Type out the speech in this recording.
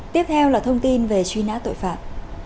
tiếp theo là thông tin về truy nã tội phạm